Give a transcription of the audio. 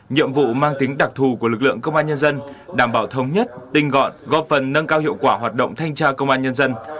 nhiệm vụ mang tính đặc thù của lực lượng công an nhân dân đảm bảo thống nhất tinh gọn góp phần nâng cao hiệu quả hoạt động thanh tra công an nhân dân